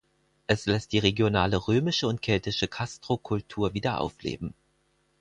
Es lässt die regionale römische und keltische Castrokultur wieder aufleben.